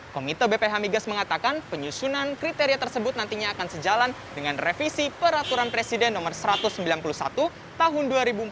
komite bph migas mengatakan penyusunan kriteria tersebut nantinya akan sejalan dengan revisi peraturan presiden no satu ratus sembilan puluh satu tahun dua ribu empat belas